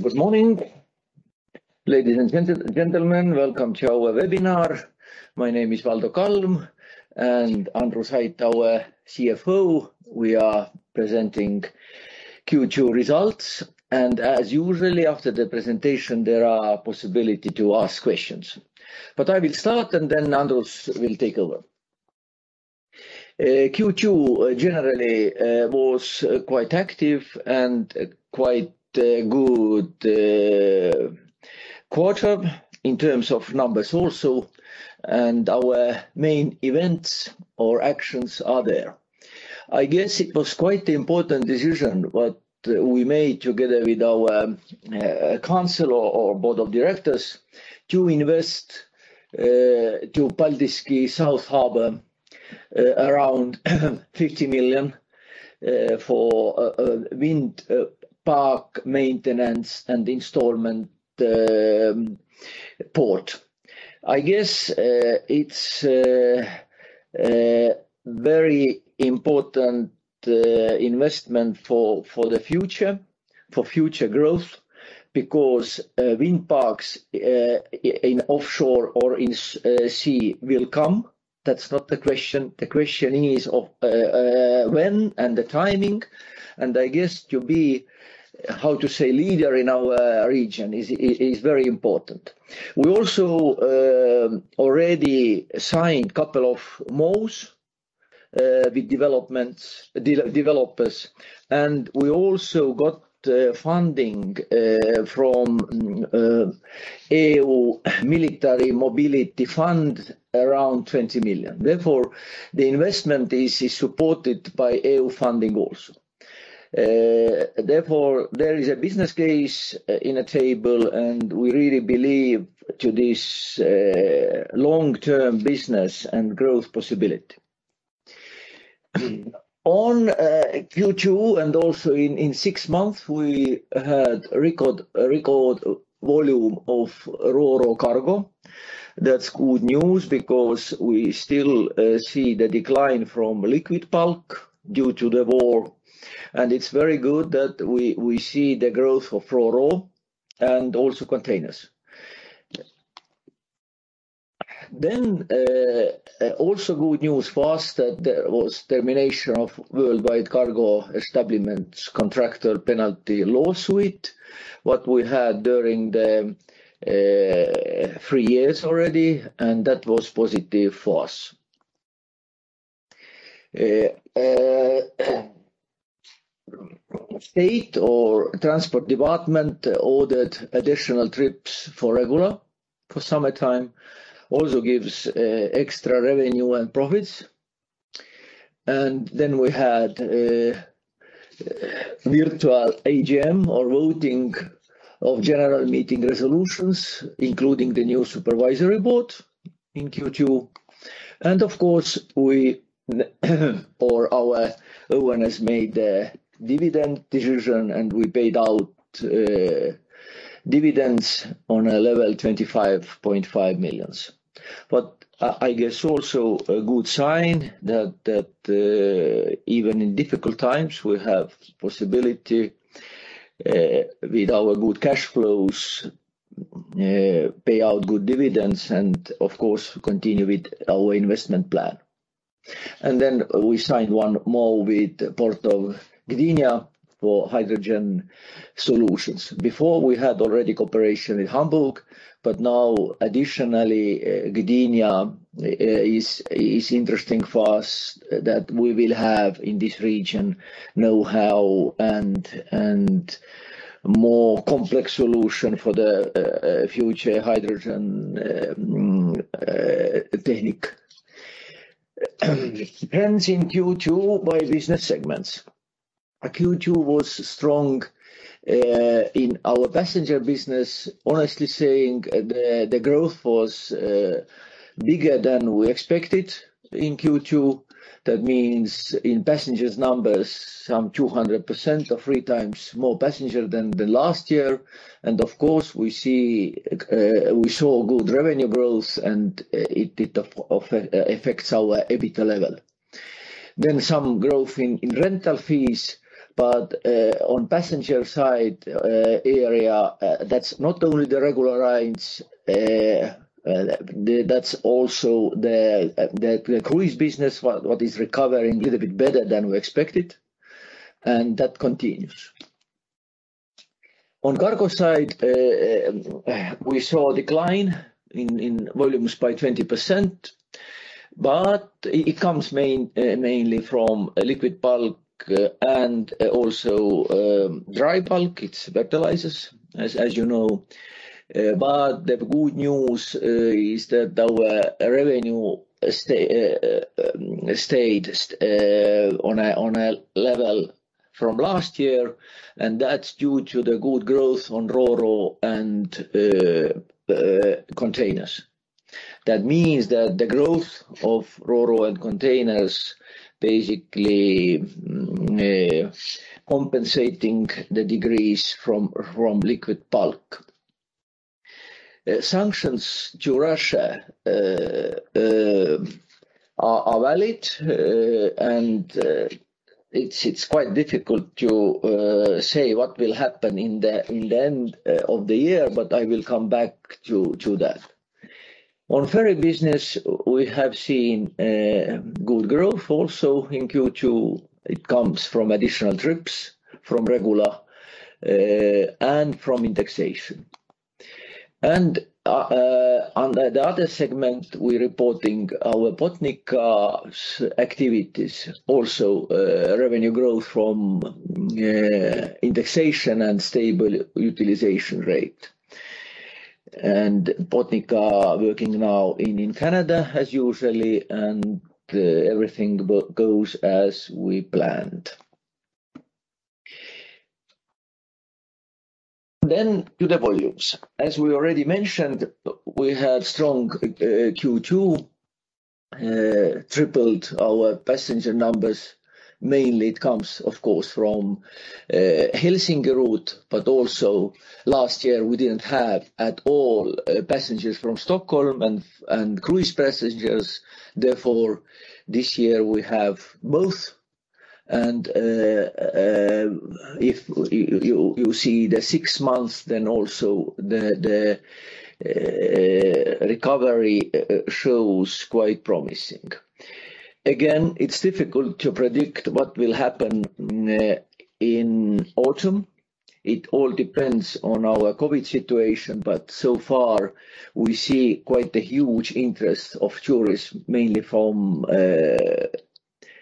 Good morning, ladies and gentlemen. Welcome to our webinar. My name is Valdo Kalm, and Andrus Ait, our Chief Financial Officer. We are presenting Q2 results, and as usual after the presentation, there are possibility to ask questions. I will start, and then Andrus will take over. Q2 generally was quite active and quite good quarter in terms of numbers also, and our main events or actions are there. I guess it was quite important decision what we made together with our council or board of directors to invest to Paldiski South Harbor around EUR 50 million for wind park maintenance and installation port. I guess it's very important investment for the future, for future growth, because wind parks in offshore or in sea will come. That's not the question. The question is of when and the timing. I guess to be, how to say, leader in our region is very important. We also already signed couple of Memorandum of Understandings with developers, and we also got funding from CEF Military Mobility around 20 million. Therefore, the investment is supported by European Union funding also. Therefore, there is a business case on the table, and we really believe in this long-term business and growth possibility. In Q2 and also in six months, we had record volume of Ro-Ro cargo. That's good news because we still see the decline from liquid bulk due to the war, and it's very good that we see the growth of Ro-Ro and also containers. Also good news was that there was termination of Worldwide Cargo Establishment's contractual penalty lawsuit, what we had during the three years already, and that was positive for us. Transport Administration ordered additional trips for regular summertime, also gives extra revenue and profits. We had virtual AGM or voting of general meeting resolutions, including the new supervisory board in Q2. Of course, we or our owners made a dividend decision, and we paid out dividends on a level 25.5 million. I guess also a good sign that even in difficult times, we have possibility with our good cash flows pay out good dividends and of course continue with our investment plan. We signed one more with Port of Gdynia for hydrogen solutions. Before we had already cooperation in Hamburg, but now additionally, Gdynia is interesting for us that we will have in this region know-how and more complex solution for the future hydrogen technique. Trends in Q2 by business segments. Q2 was strong in our passenger business. Honestly saying the growth was bigger than we expected in Q2. That means in passenger numbers, some 200% or 3x more passengers than last year. Of course, we saw good revenue growth and it affects our EBITDA level. Some growth in rental fees, but on passenger side area, that's not only the regular lines, that's also the cruise business what is recovering little bit better than we expected, and that continues. On cargo side, we saw a decline in volumes by 20%, but it comes mainly from liquid bulk and also dry bulk. It's fertilizers, as you know. But the good news is that our revenue stayed on a level from last year, and that's due to the good growth on Ro-Ro and containers. That means that the growth of Ro-Ro and containers basically compensating the decrease from liquid bulk. Sanctions to Russia are valid. And it's quite difficult to say what will happen in the end of the year, but I will come back to that. On ferry business, we have seen good growth also in Q2. It comes from additional trips from regular and from indexation. On the other segment, we're reporting our Botnica activities also, revenue growth from indexation and stable utilization rate. Botnica are working now in Canada as usual, and everything goes as we planned. To the volumes. As we already mentioned, we had strong Q2, tripled our passenger numbers. Mainly it comes, of course, from Helsinki route, but also last year we didn't have at all passengers from Stockholm and cruise passengers. Therefore, this year we have both. If you see the six months, then also the recovery shows quite promising. Again, it's difficult to predict what will happen in autumn. It all depends on our COVID situation, but so far we see quite a huge interest of tourists, mainly from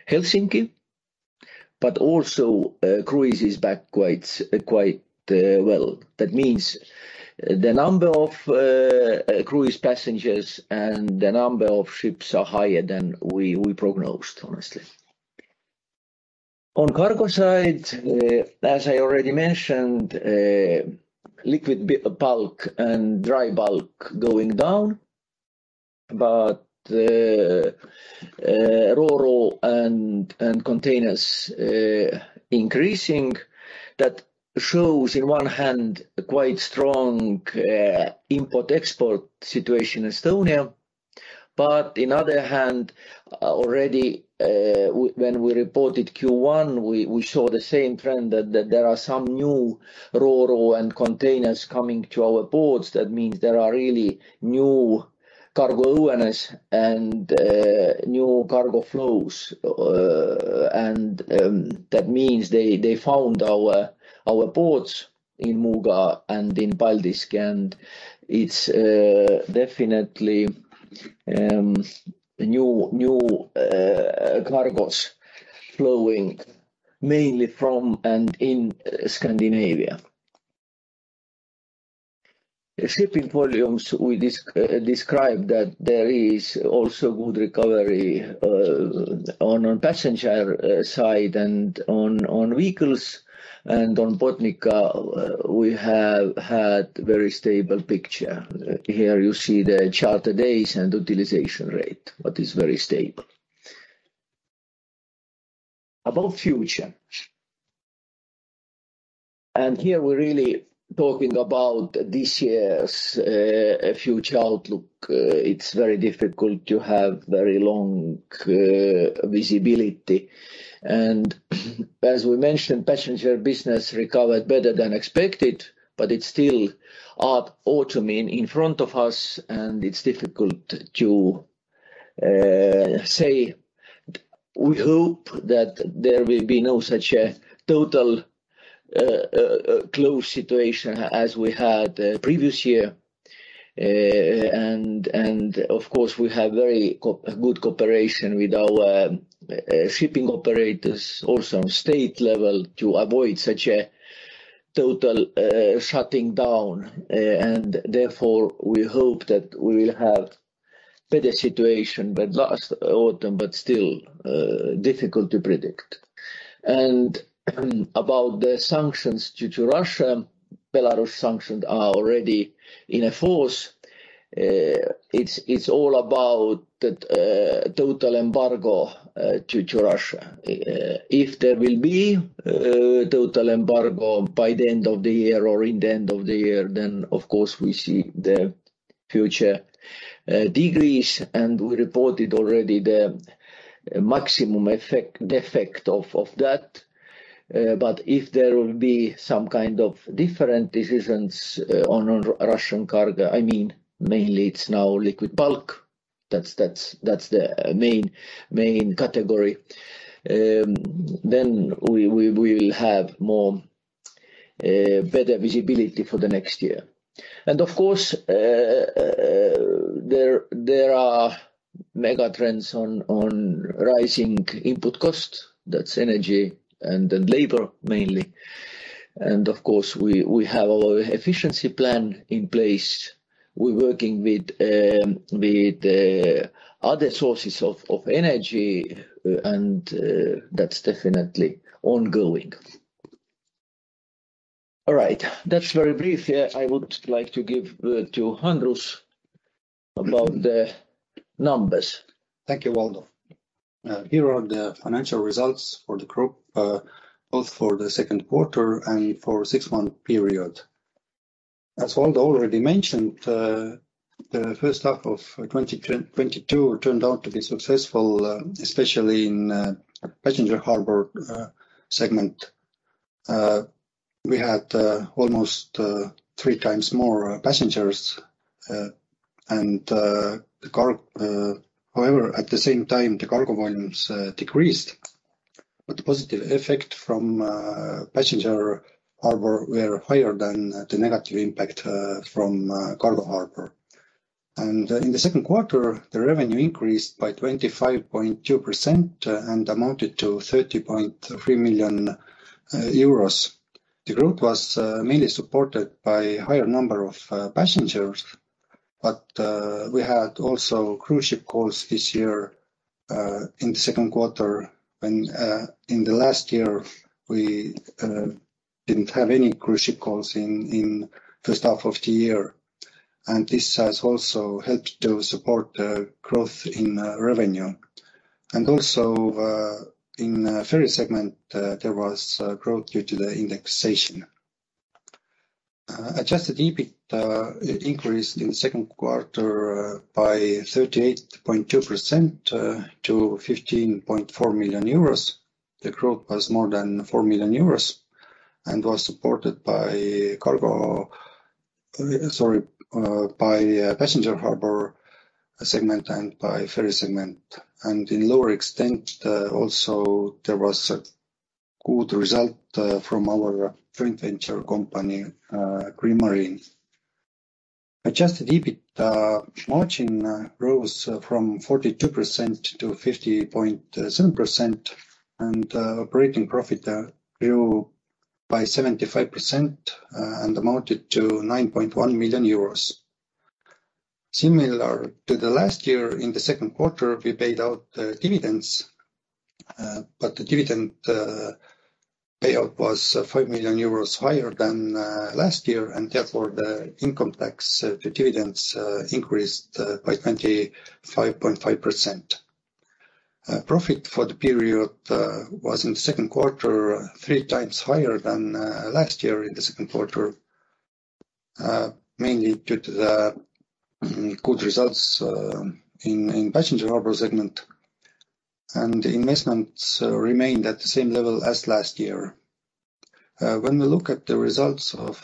Helsinki, but also cruise is back quite well. That means the number of cruise passengers and the number of ships are higher than we prognosed, honestly. On cargo side, as I already mentioned, liquid bulk and dry bulk going down, but Ro-Ro and containers increasing. That shows in one hand a quite strong import-export situation in Estonia. In other hand, already when we reported Q1, we saw the same trend that there are some new Ro-Ro and containers coming to our ports. That means there are really new cargo owners and new cargo flows. That means they found our ports in Muuga and in Paldiski, and it's definitely new cargos flowing mainly from and in Scandinavia. Shipping volumes, we describe that there is also good recovery on our passenger side and on vehicles. On Botnica, we have had very stable picture. Here you see the charter days and utilization rate, but it's very stable. About future, here we're really talking about this year's future outlook. It's very difficult to have very long visibility. As we mentioned, passenger business recovered better than expected, but it's still autumn in front of us, and it's difficult to say. We hope that there will be no such a total closed situation as we had previous year. Of course, we have very good cooperation with our shipping operators, also on state level to avoid such a total shutting down. Therefore, we hope that we will have better situation than last autumn, but still difficult to predict. About the sanctions to Russia, Belarus sanctions are already in force. It's all about the total embargo to Russia. If there will be total embargo by the end of the year or in the end of the year, then of course, we see the future decrease, and we reported already the maximum effect, the effect of that. If there will be some kind of different decisions on Russian cargo, I mean, mainly it's now liquid bulk. That's the main category. We will have more better visibility for the next year. Of course, there are mega trends on rising input costs. That's energy and then labor, mainly. Of course, we have our efficiency plan in place. We're working with the other sources of energy, and that's definitely ongoing. All right. That's very brief. Yeah. I would like to give to Andrus Ait about the numbers. Thank you, Valdo. Here are the financial results for the group, both for the second quarter and for six-month period. As Valdo already mentioned, the first half of 2022 turned out to be successful, especially in passenger harbor segment. We had almost 3x more passengers, however, at the same time, the cargo volumes decreased. The positive effect from passenger harbor were higher than the negative impact from cargo harbor. In the second quarter, the revenue increased by 25.2% and amounted to 30.3 million euros. The growth was mainly supported by higher number of passengers, but we had also cruise ship calls this year in the second quarter when in the last year we didn't have any cruise ship calls in first half of the year. This has also helped to support growth in revenue. In ferry segment there was growth due to the indexation. Adjusted EBIT increased in the second quarter by 38.2% to 15.4 million euros. The growth was more than 4 million euros and was supported by passenger harbor segment and by ferry segment. In lower extent also there was a good result from our joint venture company, Green Marine. Adjusted EBIT margin rose from 42%-50.7%, and operating profit grew by 75% and amounted to 9.1 million euros. Similar to the last year, in the second quarter, we paid out the dividends, but the dividend payout was 5 million euros higher than last year, and therefore the income tax to dividends increased by 25.5%. Profit for the period was in the second quarter 3x higher than last year in the second quarter, mainly due to the good results in passenger harbor segment. The investments remained at the same level as last year. When we look at the results of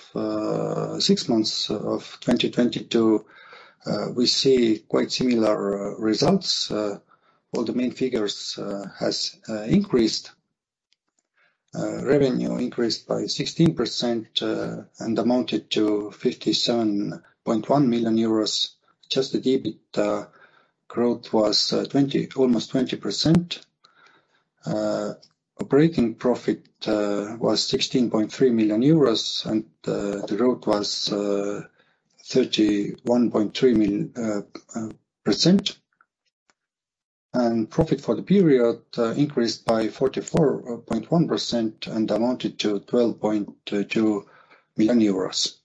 six months of 2022, we see quite similar results. All the main figures has increased. Revenue increased by 16% and amounted to 57.1 million euros. Adjusted EBIT growth was almost 20%. Operating profit was 16.3 million euros, and the growth was 31.3%. Profit for the period increased by 44.1% and amounted to 12.2 million euros.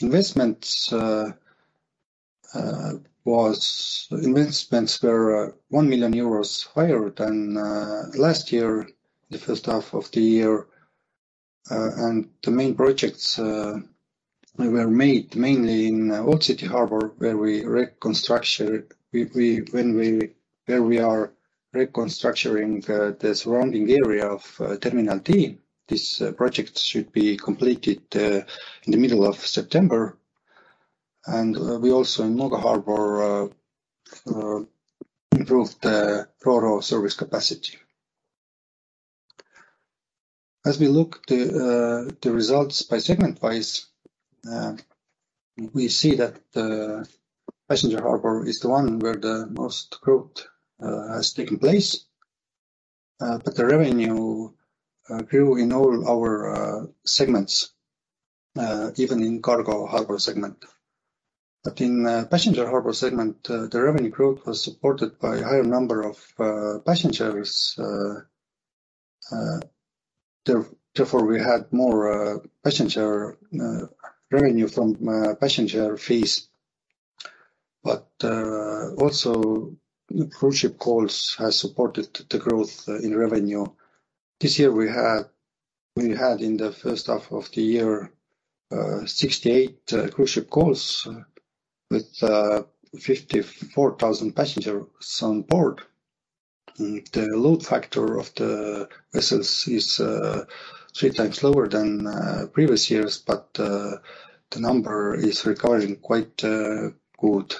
Investments were 1 million euros higher than last year, the first half of the year. The main projects were made mainly in Old City Harbour, where we are reconstructing the surrounding area of Terminal D. This project should be completed in the middle of September. We also in Muuga Harbour improved the Ro-Ro service capacity. As we look to the results by segment-wise, we see that the passenger harbour is the one where the most growth has taken place. The revenue grew in all our segments, even in cargo harbour segment. In passenger harbour segment, the revenue growth was supported by a higher number of passengers, therefore we had more passenger revenue from passenger fees. Also cruise ship calls has supported the growth in revenue. This year we had in the first half of the year, 68 cruise ship calls with 54,000 passengers on board. The load factor of the vessels is 3x lower than previous years, but the number is recovering quite good.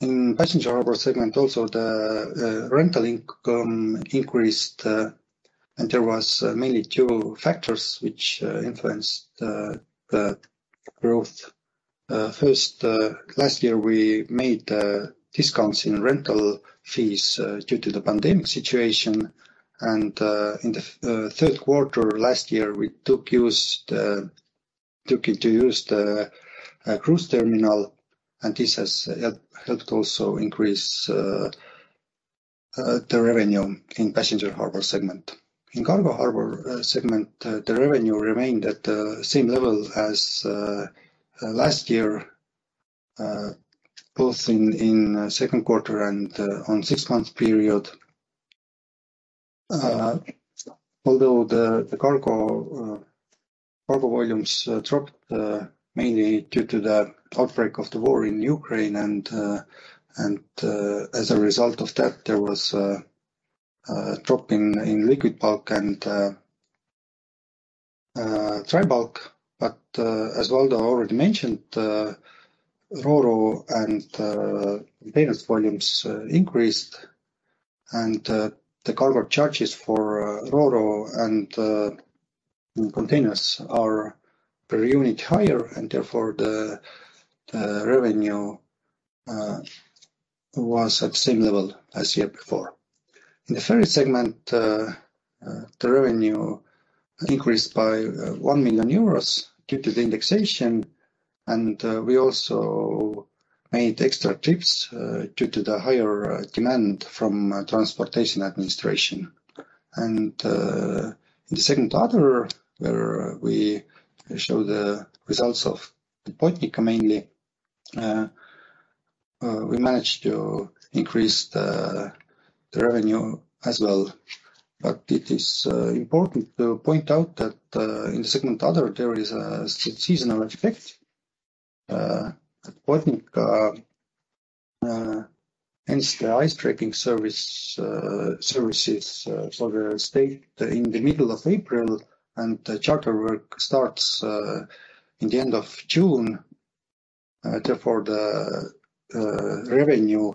In Passenger Harbour segment also the rental income increased, and there was mainly two factors which influenced the growth. First, last year we made discounts in rental fees due to the pandemic situation. In the third quarter last year, we took into use the cruise terminal, and this has helped also increase the revenue in Passenger Harbour segment. In Cargo Harbour segment, the revenue remained at the same level as last year, both in second quarter and on six-month period. Although the cargo volumes dropped, mainly due to the outbreak of the war in Ukraine and, as a result of that, there was drop in liquid bulk and dry bulk. As Valdo already mentioned, Ro-Ro and containers volumes increased and the cargo charges for Ro-Ro and containers are per unit higher and therefore the revenue was at same level as year before. In the ferry segment, the revenue increased by 1 million euros due to the indexation, and we also made extra trips due to the higher demand from Transport Administration. In the other segment, where we show the results of the Botnica mainly, we managed to increase the revenue as well. It is important to point out that in other segment there is a seasonal effect. Botnica ends the icebreaking services for the state in the middle of April, and the charter work starts in the end of June. Therefore the revenue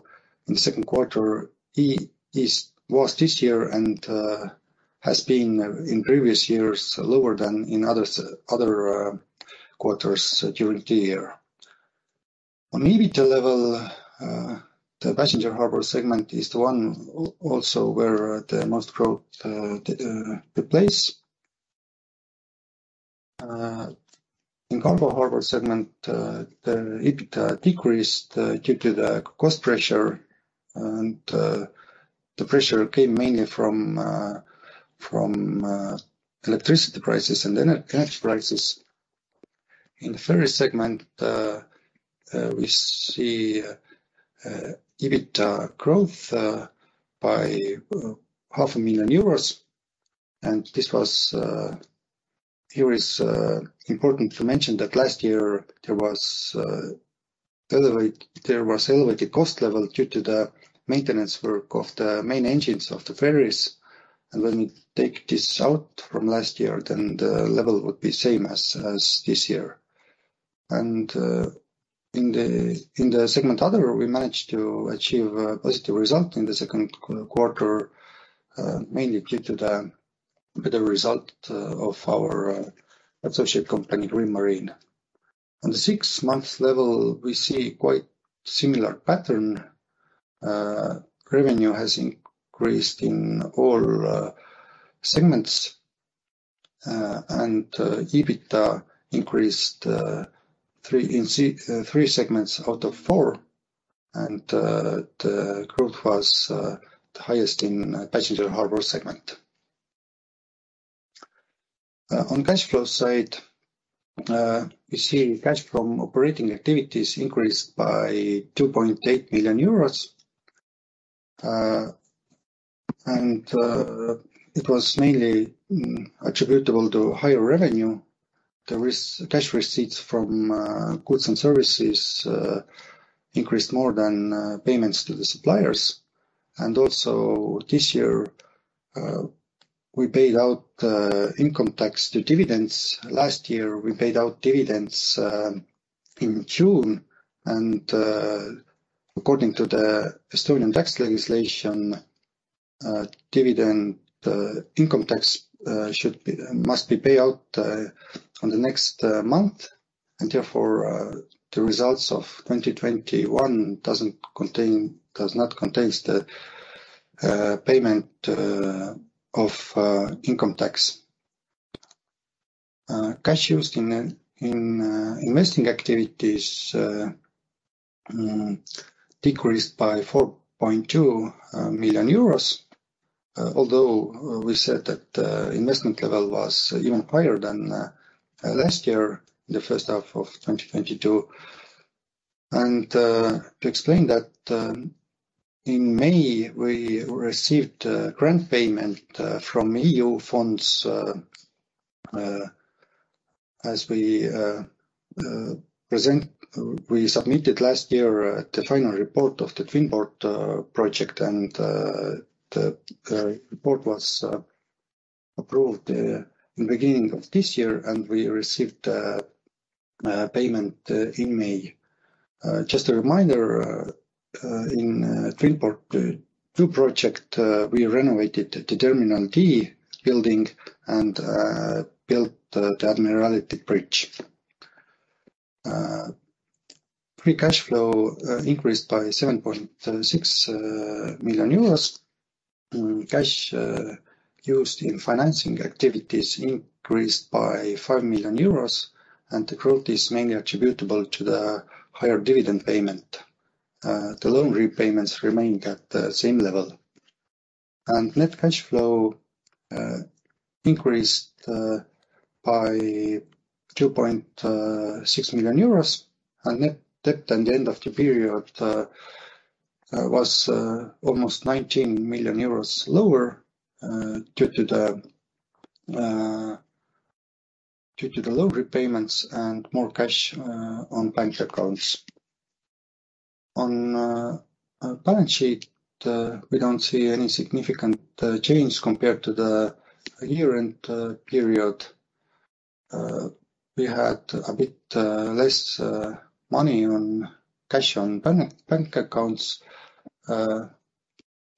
in the second quarter was this year and has been in previous years lower than in other quarters during the year. On EBIT level, the passenger harbor segment is the one also where the most growth takes place. In cargo harbor segment, the EBIT decreased due to the cost pressure, and the pressure came mainly from electricity prices and energy prices. In the ferry segment, we see EBITDA growth by 500,000 euros, and this was... It is important to mention that last year there was elevated cost level due to the maintenance work of the main engines of the ferries. When we take this out from last year, then the level would be same as this year. In the other segment, we managed to achieve a positive result in the second quarter, mainly due to the better result of our associate company Green Marine. On the six months level, we see quite similar pattern. Revenue has increased in all segments, and EBIT increased in three segments out of four. The growth was the highest in passenger harbor segment. On cash flow side, we see cash from operating activities increased by 2.8 million euros. It was mainly attributable to higher revenue. Cash receipts from goods and services increased more than payments to the suppliers. This year, we paid out income tax on dividends. Last year, we paid out dividends in June, and according to the Estonian tax legislation, dividend income tax must be paid out on the next month. Therefore, the results of 2021 do not contain the payment of income tax. Cash used in investing activities decreased by 4.2 million euros, although we said that investment level was even higher than last year in the first half of 2022. To explain that, in May we received a grant payment from EU funds as we presented. We submitted last year the final report of the TWIN-PORT project and the report was approved in the beginning of this year, and we received payment in May. Just a reminder, in TWIN-PORT 2 project, we renovated the Terminal D building and built the Admiralty Bridge. Free cash flow increased by 7.6 million euros. Cash used in financing activities increased by 5 million euros, and the growth is mainly attributable to the higher dividend payment. The loan repayments remained at the same level. Net cash flow increased by 2.6 million euros, and net debt at the end of the period was almost 19 million euros lower due to the loan repayments and more cash on bank accounts. On our balance sheet, we don't see any significant change compared to the year-end period. We had a bit less cash on bank accounts.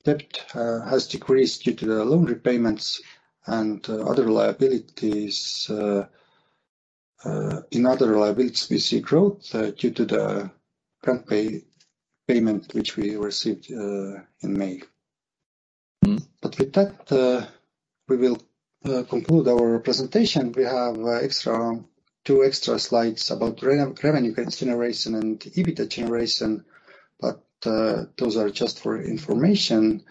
Debt has decreased due to the loan repayments and other liabilities. In other liabilities, we see growth due to the grant payment which we received in May. With that, we will conclude our presentation. We have extra. Two extra slides about revenue generation and EBITDA generation, but those are just for information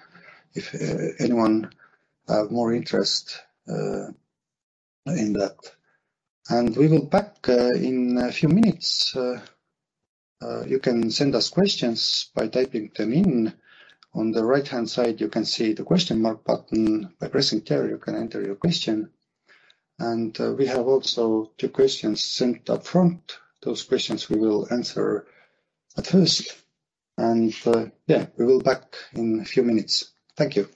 if anyone have more interest in that. We will be back in a few minutes. You can send us questions by typing them in. On the right-hand side, you can see the question mark button. By pressing there, you can enter your question. We have also two questions sent up front. Those questions we will answer at first. We will be back in a few minutes. Thank you.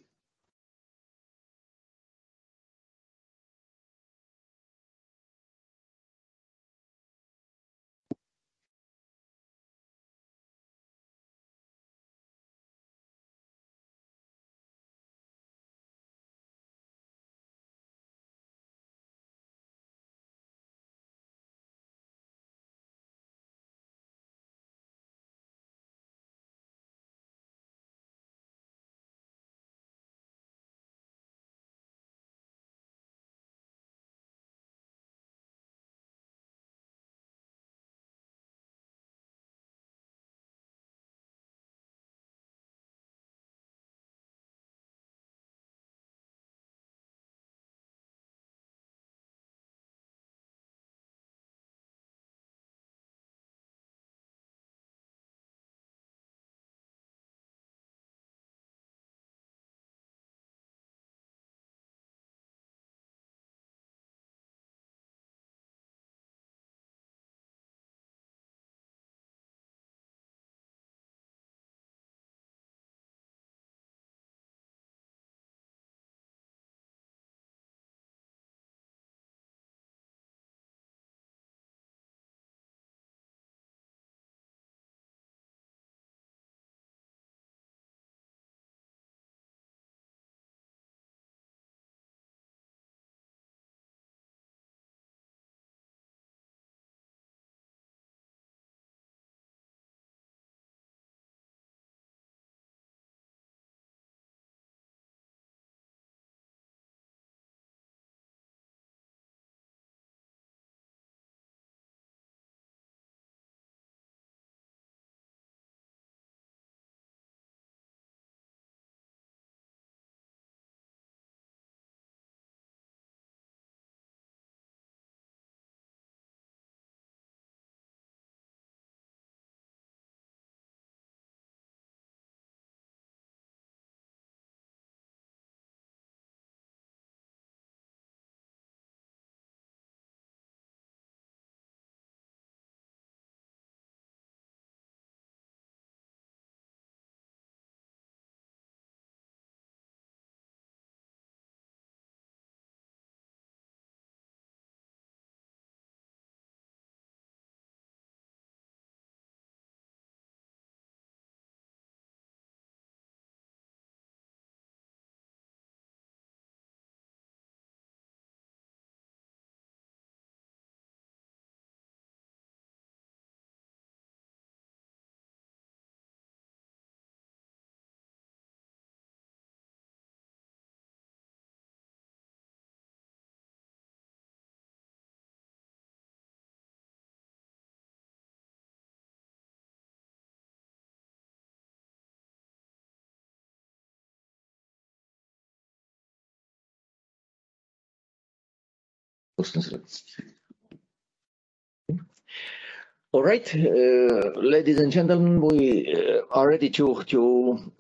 All right. Ladies and gentlemen, we are ready to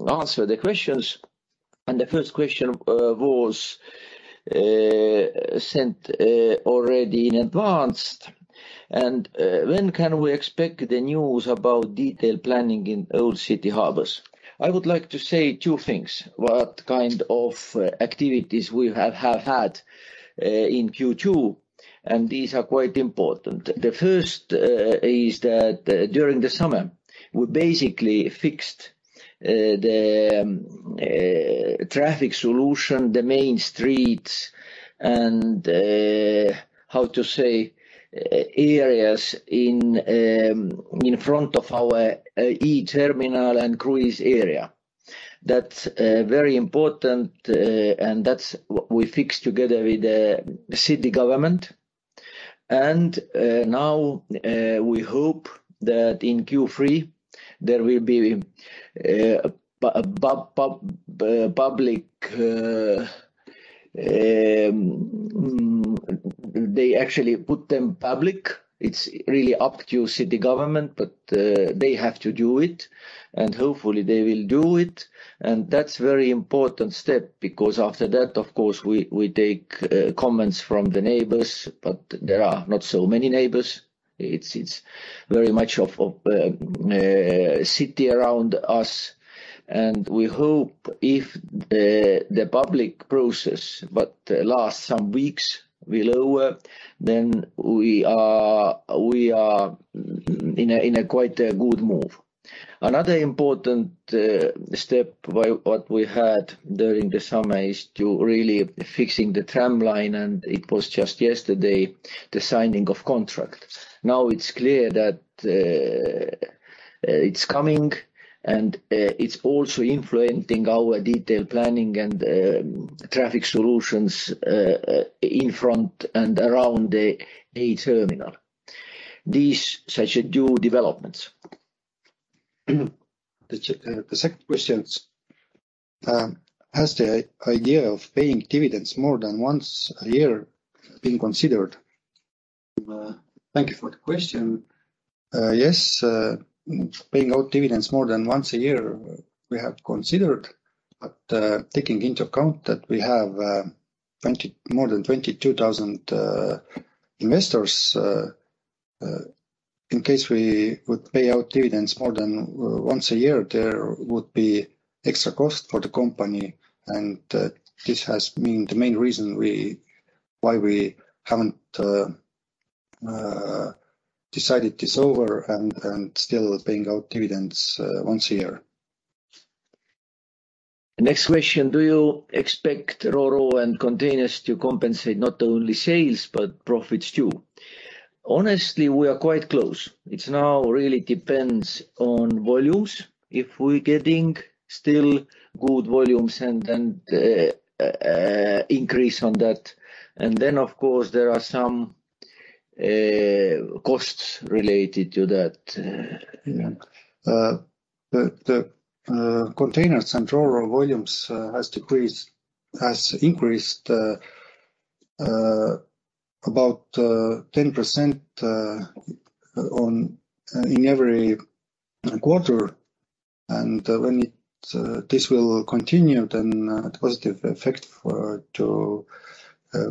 answer the questions, and the first question was sent already in advance. When can we expect the news about detailed planning in Old City Harbour? I would like to say two things. What kind of activities we have had in Q2 and these are quite important. The first is that during the summer we basically fixed the traffic solution, the main streets and how to say areas in front of our D terminal and cruise area. That's very important, and that's what we fixed together with the city government. Now, we hope that in Q3 there will be public, they actually put them public. It's really up to city government, but they have to do it, and hopefully they will do it. That's very important step because after that, of course, we take comments from the neighbors, but there are not so many neighbors. It's very much of city around us, and we hope if the public process but last some weeks will lower, then we are in a quite a good move. Another important step what we had during the summer is to really fixing the tramline, and it was just yesterday, the signing of contract. Now it's clear that it's coming, and it's also influencing our detailed planning and traffic solutions in front and around the A Terminal. These are such new developments. The second question, has the idea of paying dividends more than once a year been considered? Thank you for the question. Yes, paying out dividends more than once a year, we have considered, but taking into account that we have more than 22,000 investors, in case we would pay out dividends more than once a year, there would be extra cost for the company. This has been the main reason why we haven't decided this over and still paying out dividends once a year. Next question, do you expect Ro-Ro and containers to compensate not only sales but profits too? Honestly, we are quite close. It now really depends on volumes. If we're getting still good volumes and then increase on that. Then, of course, there are some costs related to that. The containers and Ro-Ro volumes has increased about 10% in every quarter. When this will continue, then a positive effect to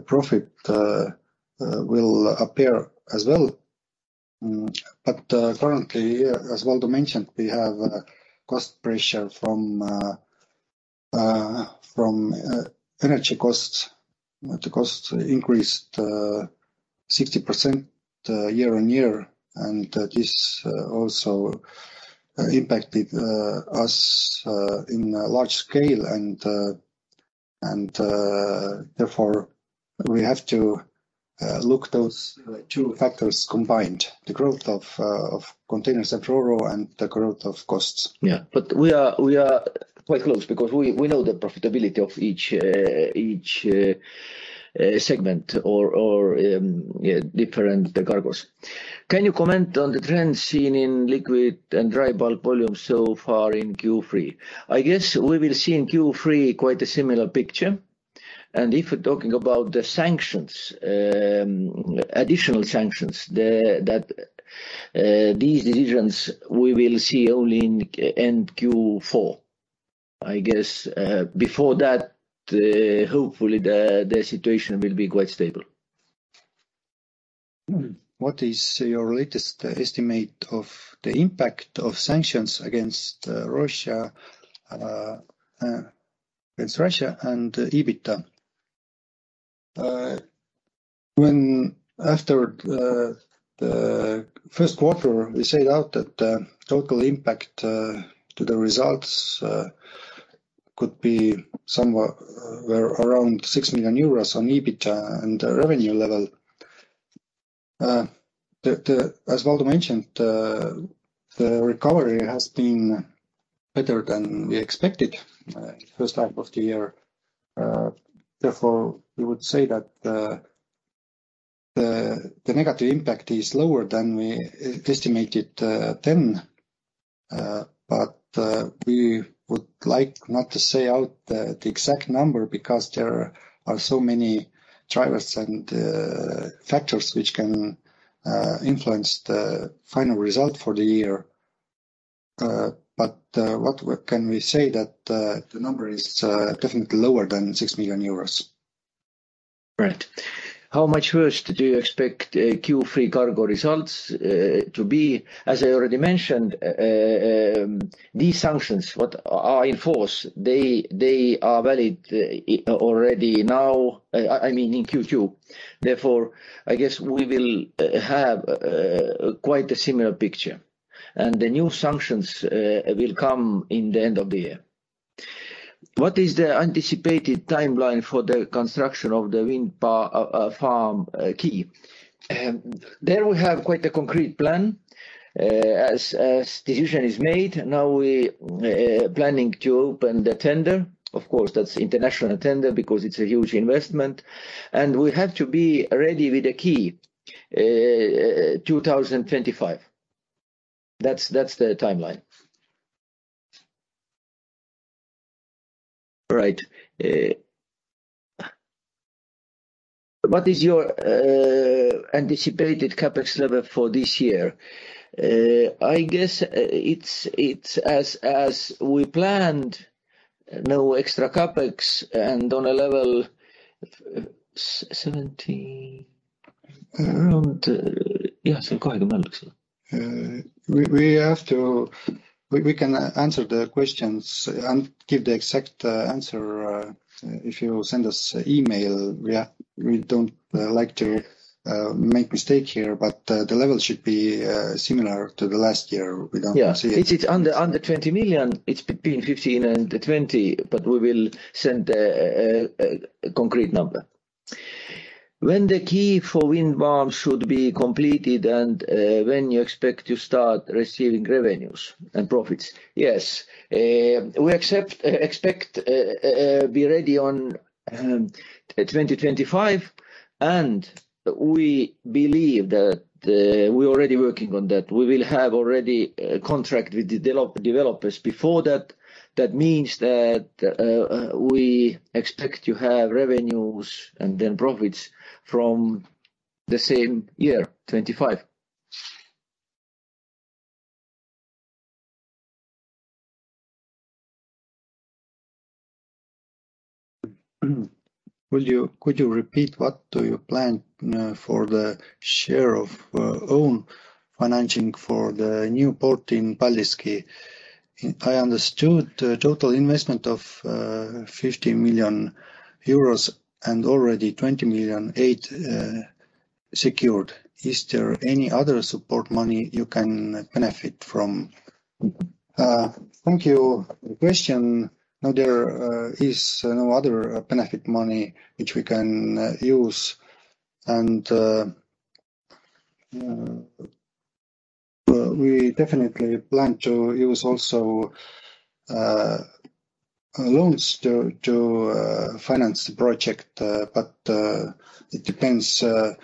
profit will appear as well. Currently, as Valdo mentioned, we have a cost pressure from energy costs. The costs increased 60% year-on-year, and this also impacted us in a large scale. Therefore, we have to look those two factors combined, the growth of containers and Ro-Ro and the growth of costs. Yeah, we are quite close because we know the profitability of each segment or different cargos. Can you comment on the trends seen in liquid and dry bulk volumes so far in Q3? I guess we will see in Q3 quite a similar picture. If we're talking about the sanctions, additional sanctions, that these decisions we will see only in Q4. I guess before that, hopefully the situation will be quite stable. What is your latest estimate of the impact of sanctions against Russia and EBIT? When, after the first quarter, we stated that the total impact to the results could be somewhere around 6 million euros on EBIT and revenue level. As Valdo mentioned, the recovery has been better than we expected, first half of the year. Therefore, we would say that the negative impact is lower than we estimated then. We would like not to state the exact number because there are so many drivers and factors which can influence the final result for the year. What we can say that the number is definitely lower than 6 million euros. Right. How much worse do you expect Q3 cargo results to be? As I already mentioned, these sanctions, what are in force, they are valid already now, I mean in Q2. Therefore, I guess we will have quite a similar picture, and the new sanctions will come in the end of the year. What is the anticipated timeline for the construction of the wind farm quay? There we have quite a concrete plan. As decision is made, now we planning to open the tender. Of course, that's international tender because it's a huge investment. We have to be ready with the quay 2025. That's the timeline. Right. What is your anticipated CapEx level for this year? I guess it's as we planned, no extra CapEx and on a level around EUR 70 million. Yeah. We can answer the questions and give the exact answer if you send us email. Yeah. We don't like to make mistake here, but the level should be similar to the last year. It's under 20 million. It's between 15 million and 20 million, but we will send a concrete number. When the quay for wind farm should be completed and when you expect to start receiving revenues and profits? Yes. We expect to be ready in 2025, and we believe that we're already working on that. We will have already a contract with developers before that. That means that we expect to have revenues and then profits from the same year, 2025. Could you repeat what do you plan for the share of own financing for the new port in Paldiski? I understood the total investment of 50 million euros and already 20.8 million secured. Is there any other support money you can benefit from? Thank you for the question. No, there is no other benefit money which we can use. We definitely plan to use also loans to finance the project. It depends on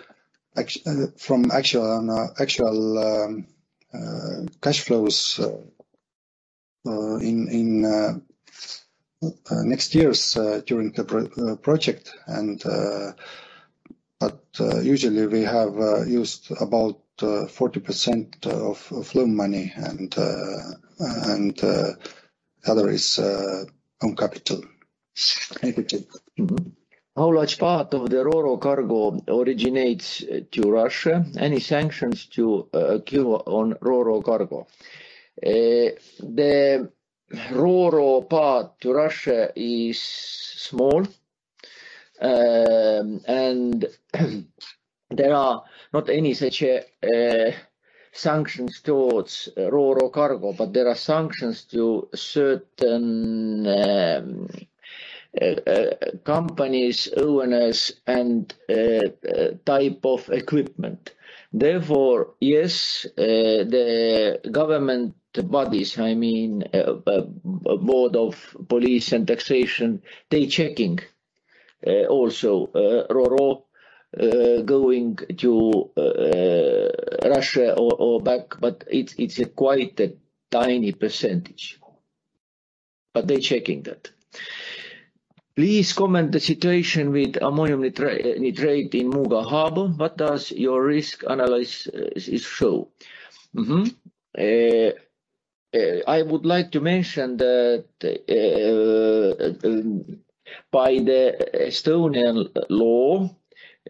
actual cash flows in next years during the project. Usually we have used about 40% of loan money and other is own capital. Thank you. How large part of the Ro-Ro cargo originates to Russia? Any sanctions that'll kill on Ro-Ro cargo? The Ro-Ro part to Russia is small. There are not any such sanctions towards Ro-Ro cargo, but there are sanctions to certain companies, owners and type of equipment. Therefore, yes, the government bodies, I mean, Tax and Customs Board, they checking also Ro-Ro going to Russia or back, but it's quite a tiny percentage. They checking that. Please comment the situation with ammonium nitrate in Muuga Harbor. What does your risk analysis show? I would like to mention that, by the Estonian law,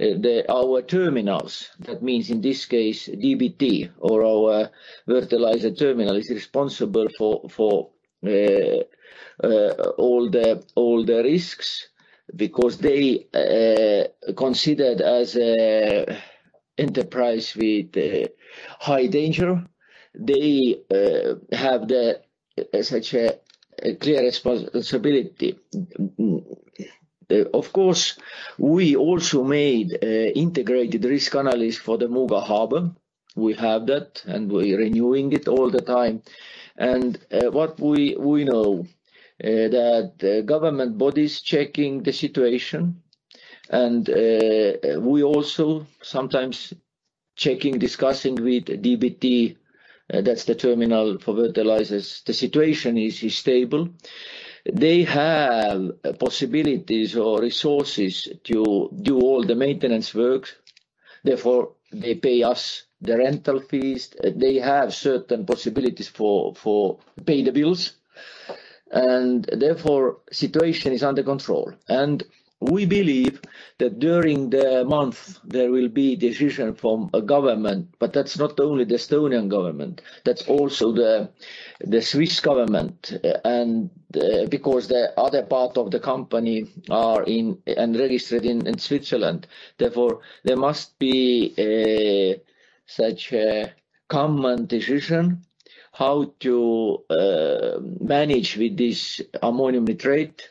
the. Our terminals, that means in this case DBT or our fertilizer terminal, is responsible for all the risks because they considered as enterprise with high danger. They have such a clear responsibility. Of course, we also made integrated risk analysis for the Muuga Harbor. We have that, and we're renewing it all the time. What we know that government bodies checking the situation, and we also sometimes checking, discussing with DBT. That's the terminal for fertilizers. The situation is stable. They have possibilities or resources to do all the maintenance work. Therefore, they pay us the rental fees. They have certain possibilities for pay the bills, and therefore situation is under control. We believe that during the month there will be decision from government, but that's not only the Estonian government, that's also the Swiss government, because the other part of the company are in and registered in Switzerland. Therefore, there must be such a common decision how to manage with this ammonium nitrate.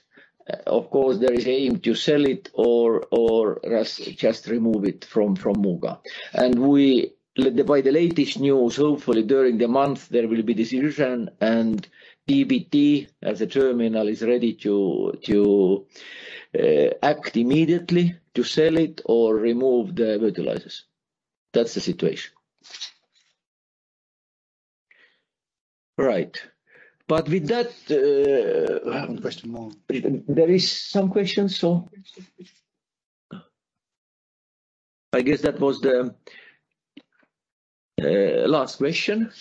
Of course, there is aim to sell it or just remove it from Muuga. By the latest news, hopefully during the month there will be decision and DBT as a terminal is ready to act immediately to sell it or remove the fertilizers. That's the situation. Right. With that, Question more. There is some questions. I guess that was the last question.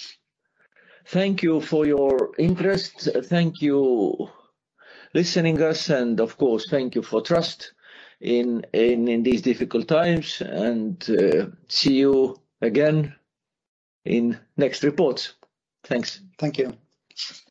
Thank you for your interest. Thank you listening us, and of course, thank you for trust in these difficult times, and see you again in next reports. Thanks. Thank you.